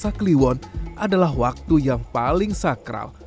selasa kliwon adalah waktu yang paling sakram